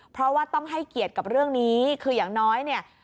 เพราะว่าต้องให้เกียรติกับเรื่องนี้คืออย่างน้อยเนี่ย